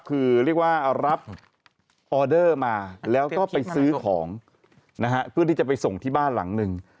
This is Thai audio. คือเรียกว่ารับออเดอร์มาแล้วก็ไปซื้อของนะฮะเพื่อที่จะไปส่งที่บ้านหลังหนึ่ง